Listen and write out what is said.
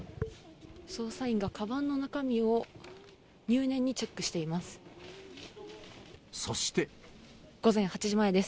捜査員がかばんの中身を入念にチェックしています。